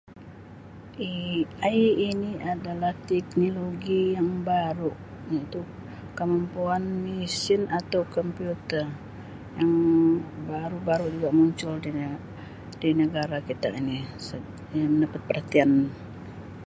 AI ini adalah teknologi yang baru iaitu kemampuan mesin atau komputer yang baru-baru juga muncul di ne-negara kita ini yang mendapat peratian.